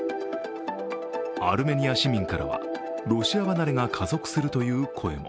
アルメニア市民からは、ロシア離れが加速するという声も。